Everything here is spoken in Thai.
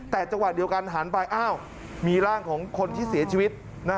แต่จังหวะเดียวกันหันไปอ้าวมีร่างของคนที่เสียชีวิต